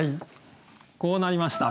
こうなりました。